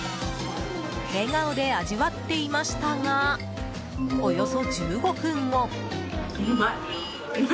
笑顔で味わっていましたがおよそ１５分後。